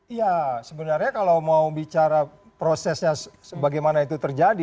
iya sebenarnya kalau mau bicara prosesnya bagaimana itu terjadi